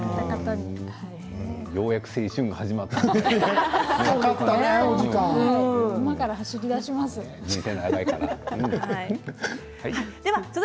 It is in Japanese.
ようやく青春が始まったみたい。